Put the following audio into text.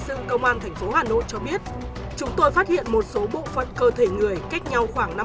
sát quan thành phố hà nội cho biết chúng tôi phát hiện một số bộ phận cơ thể người cách nhau khoảng